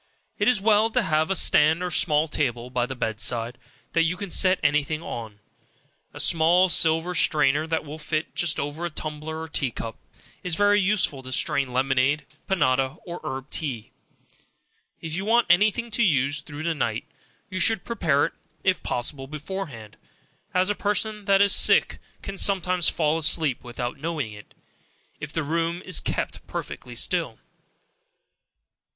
It is well to have a stand or small table by the bed side, that you can set any thing on. A small silver strainer that will just fit over a tumbler or tea cup, is very useful to strain lemonade, panada or herb tea. If you want any thing to use through the night, you should prepare it, if possible, beforehand; as a person that is sick, can sometimes fall asleep without knowing it, if the room is _kept perfectly still.